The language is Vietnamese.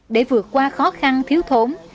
để vượt qua khó khăn thiếu thốn